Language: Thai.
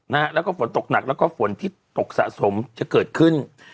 น่ะก็ฝนตกหนักและก็ฝนที่ตกสะสมจะเกิดขึ้น